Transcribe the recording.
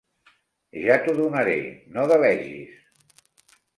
Ja t'ho donaré: no delegis.